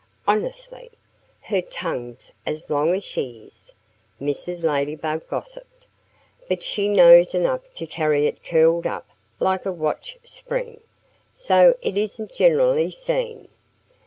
"Honestly, her tongue's as long as she is!" Mrs. Ladybug gossiped. "But she knows enough to carry it curled up like a watch spring, so it isn't generally seen....